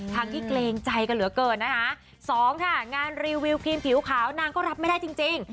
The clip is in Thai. ทั้งที่เกรงใจกันเหลือเกินนะคะสองค่ะงานรีวิวครีมผิวขาวนางก็รับไม่ได้จริง